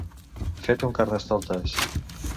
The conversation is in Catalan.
Fet un carnestoltes.